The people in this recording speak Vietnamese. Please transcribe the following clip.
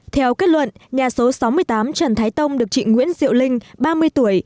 theo kết luận nhà số sáu mươi tám trần thái tông được chị nguyễn diệu linh ba mươi tuổi